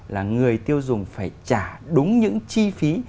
là người tiêu dùng phải trả đúng những chi phí